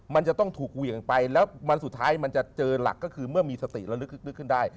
มันจะต้องถูกเหวี่ยงไปแล้ววันสุดท้ายมันจะเจอหลักก็คือเมื่อมีสติแล้วลึกขึ้นได้